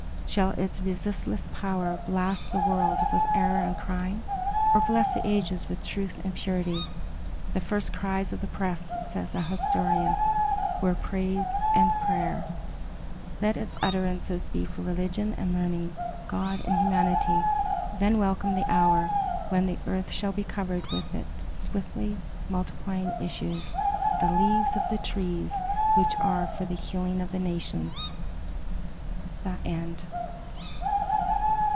Shall its resistless power blast the world with error and crime, or bless the ages with truth and purity? "The first cries of the press," says a historian, "were praise and prayer." Let its utterances be for religion and learning, God and humanity; then welcome the hour when the earth shall be covered with its swiftly multiplying issues, "the leaves of the tree which are for the healing of the nations." THE END.